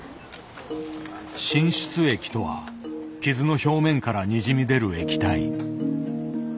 浸出液とは傷の表面からにじみ出る液体。